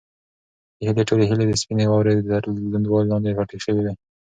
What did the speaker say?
د هیلې ټولې هیلې د سپینې واورې تر لوندوالي لاندې پټې شوې وې.